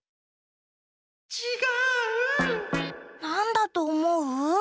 なんだとおもう？